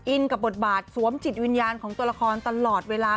อินกับบทบาทสวมจิตวิญญาณของตัวละครตลอดเวลา